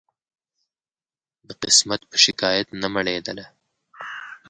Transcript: د قسمت په شکایت نه مړېدله